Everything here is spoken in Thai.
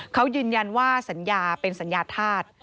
เขายืนยันว่าสัญญาเป็นสัญญาธาตุ